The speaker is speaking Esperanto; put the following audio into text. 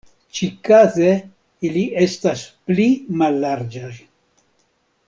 Ĉikaze, ili estas pli mallarĝaj.